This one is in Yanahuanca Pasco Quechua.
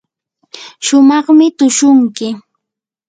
shumaqmi tushunki.